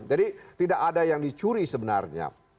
jadi tidak ada yang dicuri sebenarnya